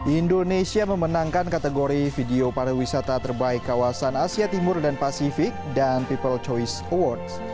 indonesia memenangkan kategori video pariwisata terbaik kawasan asia timur dan pasifik dan people choice awards